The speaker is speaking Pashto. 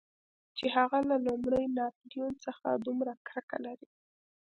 چې هغه له لومړي ناپلیون څخه دومره کرکه لري.